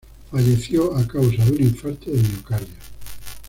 Falleció a causa de un infarto de miocardio.